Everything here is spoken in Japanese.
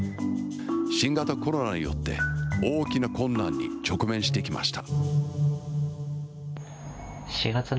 新型コロナによって、大きな困難に直面してきました。